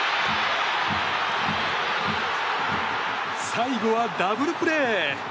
最後は、ダブルプレー！